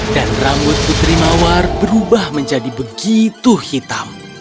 dan rambut putri mawar berubah menjadi begitu hitam